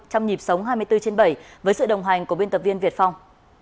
trong nhịp sống hai mươi bốn trên bảy với sự đồng hành của biên tập viên việt phong